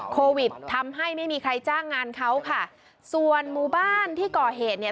โควิดทำให้ไม่มีใครจ้างงานเขาค่ะส่วนหมู่บ้านที่ก่อเหตุเนี่ย